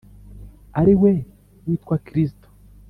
ari we witwa Kristo